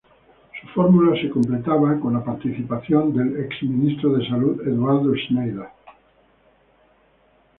Su fórmula se completaba con la participación del ex-ministro de Salud, Eduardo Schneider.